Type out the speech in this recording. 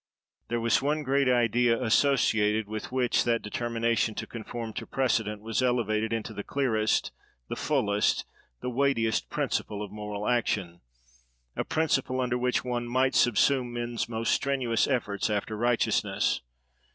There was one great idea associated with which that determination to conform to precedent was elevated into the clearest, the fullest, the weightiest principle of moral action; a principle under which one might subsume men's most strenuous efforts after righteousness.